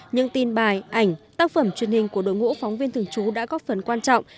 nhưng tin bài ảnh tác phẩm truyền hình của đội ngũ phóng viên thường trú đã góp phần quan trọng